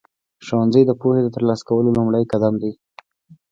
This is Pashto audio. ښوونځی د پوهې ترلاسه کولو لومړنی قدم دی.